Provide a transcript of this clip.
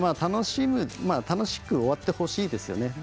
楽しく終わってほしいですよね。